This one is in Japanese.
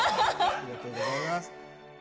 ありがとうございます。